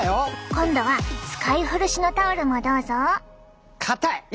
今度は使い古しのタオルもどうぞ。